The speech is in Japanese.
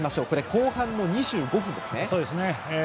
後半の２５分ですね。